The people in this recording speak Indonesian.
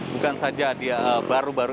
bukan saja baru baru ini tapi sudah mulai muncul